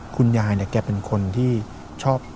คุณยายแกเป็นคนที่ชอบ